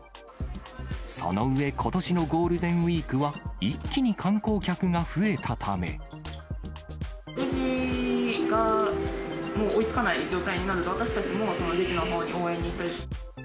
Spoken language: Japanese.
その上、ことしのゴールデンウィークは、レジがもう、追いつかない状態になると、私たちもレジのほうに応援に行ったり。